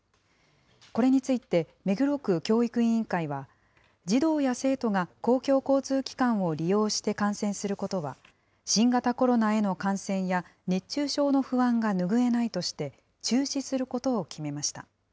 これについて目黒区教育委員会は、児童や生徒が公共交通機関を利用して観戦することは、新型コロナへの感染や熱中症の不安が拭えないとして、中止することを決めました。